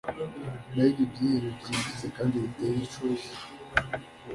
mbega ibyihebe byimbitse kandi biteye ishozi